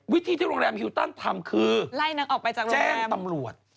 วิธีที่โรงแรมฮิลตันทำคือแจ้งตำรวจ